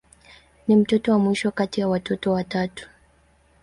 Ni mtoto wa mwisho kati ya watoto watatu.